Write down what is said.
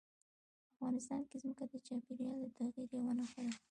په افغانستان کې ځمکه د چاپېریال د تغیر یوه نښه ده.